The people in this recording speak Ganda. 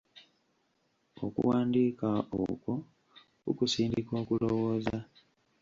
Okuwandiika okwo kukusindika okulowooza.